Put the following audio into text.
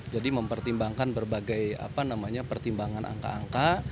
jadi mempertimbangkan berbagai pertimbangan angka angka